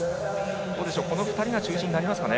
この２人が中心になりますかね